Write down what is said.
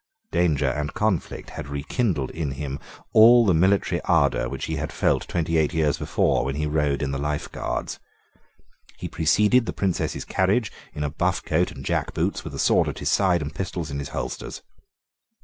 Danger and conflict had rekindled in him all the military ardour which he had felt twenty eight years before, when he rode in the Life Guards. He preceded the Princess's carriage in a buff coat and jackboots, with a sword at his side and pistols in his holsters.